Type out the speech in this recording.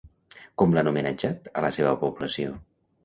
Com l'han homenatjat a la seva població?